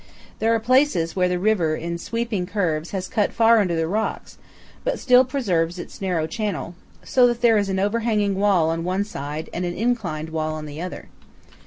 There are places where the river in sweeping by curves has cut far under the rocks, but still preserves its narrow channel, so that there is an overhanging wall on one side and an inclined wall on the other.